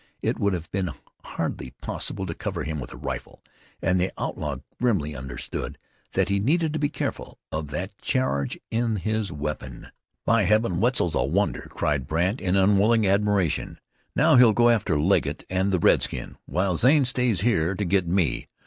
It would have been hardly possible to cover him with a rifle, and the outlaw grimly understood that he needed to be careful of that charge in his weapon. "By Heavens, Wetzel's a wonder!" cried Brandt in unwilling admiration. "Now he'll go after Legget and the redskin, while Zane stays here to get me.